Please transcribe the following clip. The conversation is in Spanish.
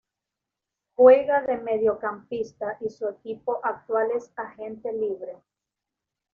Juega de mediocampista y su equipo actual es Agente libre.